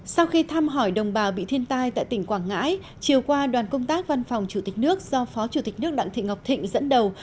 sau khi thăm hỏi đồng bào bị thiên tai tại tỉnh quảng ngãi chiều qua đoàn công tác văn phòng chủ tịch nước do phó chủ tịch nước đặng thị ngọc thịnh dẫn đầu